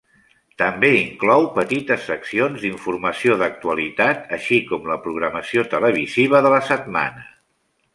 També inclou petites seccions d'informació d'actualitat, així com la programació televisiva de la setmana.